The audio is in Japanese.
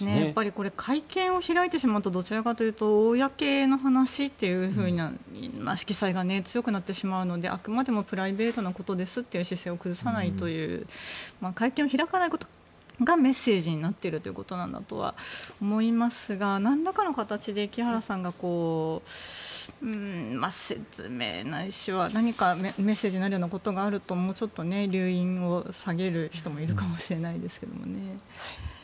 これ会見を開いてしまうとどちらかというと公の話というふうな色彩が強くなってしまうとあくまでもプライベートなことですという姿勢を崩さないという会見を開かないことがメッセージになっているということだとは思いますがなんらかの形で木原さんが説明、ないしは何かメッセージなりのことがあるともうちょっと留飲を下げる人もいるかもしれないですけどね。